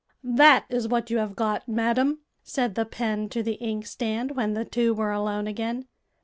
"That is what you have got, madam," said the pen to the inkstand, when the two were alone again.